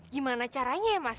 gimana caranya ya mas